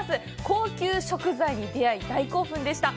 高級食材に出会い、大興奮でした。